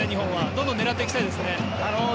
どんどん狙っていきたいですね。